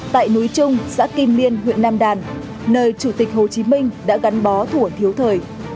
tại núi trung xã kim liên huyện nam đàn nơi chủ tịch hồ chí minh đã gắn bó thủa thiếu thời